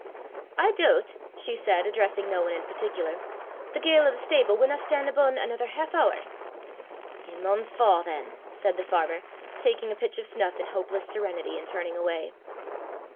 "I doobt," she said, addressing no one in particular, "the ga'le o' the stable winna stan' abune anither half hoor." "It maun fa' than," said the farmer, taking a pinch of snuff in hopeless serenity, and turning away.